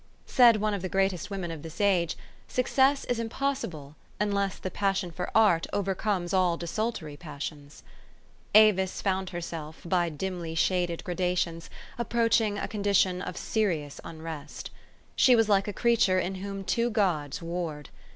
Said one of the greatest women of this age, 11 Success is impossible, unless the passion for art overcomes all desultory passions." Avis found her self, by dimly shaded gradations, approaching a con dition of serious unrest. She was like a creature in whom two gods warred.